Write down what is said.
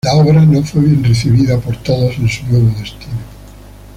La obra no fue bien recibida por todos en su nuevo destino.